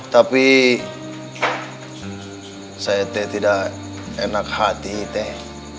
tapi saya teeh tidak enak hati teeh